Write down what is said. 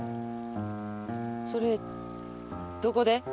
それどこで？